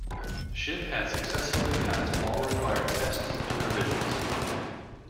The ship had successfully passed all required tests and revisions.